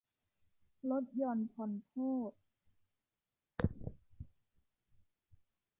ลดหย่อนผ่อนโทษ